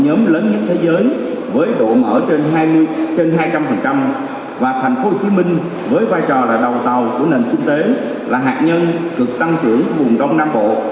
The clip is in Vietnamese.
nhóm lớn nhất thế giới với độ mở trên hai trăm linh và thành phố hồ chí minh với vai trò là đầu tàu của nền kinh tế là hạt nhân cực tăng trưởng vùng đông nam bộ